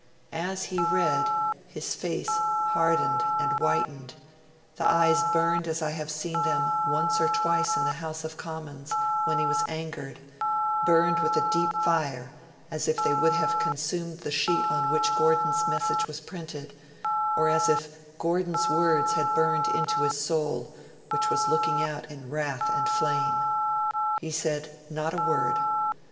As he read, his face hardened and whitened, the eyes burned as I have seen them once or twice in the House of Commons when he was angered burned with a deep fire, as if they would have consumed the sheet on which Gordon's message was printed, or as if Gordon's words had burned into his soul, which was looking out in wrath and flame. He said not a word.